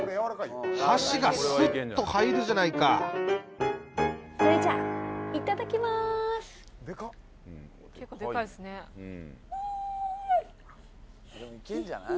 箸がスッと入るじゃないかそれじゃあいただきますうん！